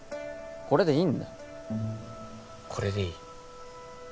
これでいいんだこれでいい？